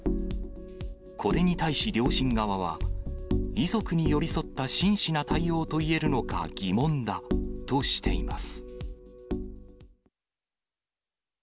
これに対し両親側は、遺族に寄り添った真摯な対応といえるのか疑問だとしています。